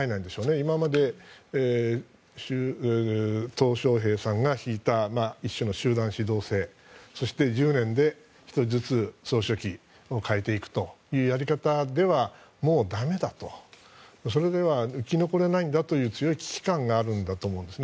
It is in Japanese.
今までトウ・ショウヘイさんが敷いた一種の集団指導制そして１０年で１人ずつ総書記を代えていくというようなやり方ではもうだめだそれでは生き残れないんだという強い危機感があるんだと思います。